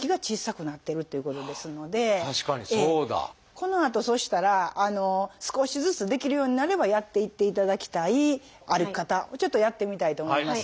このあとそしたら少しずつできるようになればやっていっていただきたい歩き方をちょっとやってみたいと思います。